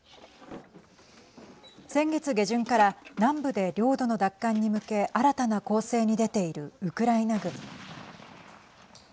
先月下旬から南部で領土の奪還に向け新たな攻勢に出ているウクライナ軍。